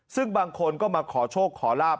ซึ่งบางคนก็มาขอโชคขอลาบ